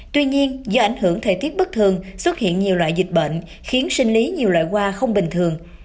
tuy nhiên do ảnh hưởng thời tiết bất thường xuất hiện nhiều loại dịch bệnh khiến sinh lý nhiều loại hoa không bình thường